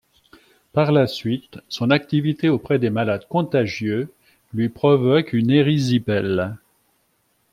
Par la suite, son activité auprès des malades contagieux lui provoque une érysipèle.